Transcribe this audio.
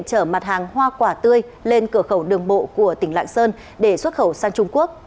chở mặt hàng hoa quả tươi lên cửa khẩu đường bộ của tỉnh lạng sơn để xuất khẩu sang trung quốc